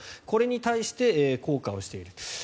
これに対して、後悔している。